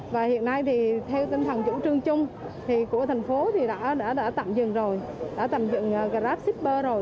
và hiện nay thì theo tinh thần chủ trương chung thì của thành phố thì đã tạm dừng rồi đã tầm dựng grab shipper rồi